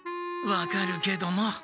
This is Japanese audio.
分かるけども。